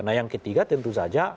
nah yang ketiga tentu saja